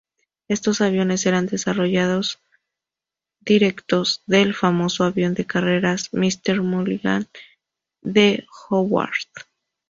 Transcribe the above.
Estos aviones eran desarrollos directos del famoso avión de carreras "Mister Mulligan" de Howard.